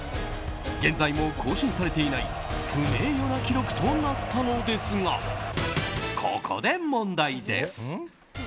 現在も更新されていない不名誉な記録となったのですがここで問題です。